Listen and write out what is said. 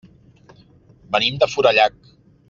Venim de Forallac.